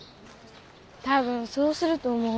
多分そうすると思うわ。